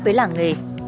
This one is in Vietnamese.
với làng nghề